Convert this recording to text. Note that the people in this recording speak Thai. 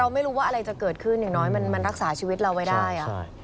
ไม่รู้ว่าอะไรจะเกิดขึ้นอย่างน้อยมันรักษาชีวิตเราไว้ได้